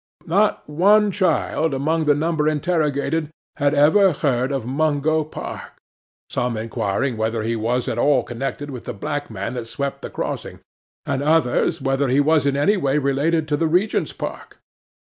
Not one child among the number interrogated had ever heard of Mungo Park,—some inquiring whether he was at all connected with the black man that swept the crossing; and others whether he was in any way related to the Regent's Park.